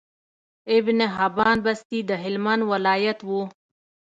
ابن حبان بستي د هلمند ولايت وو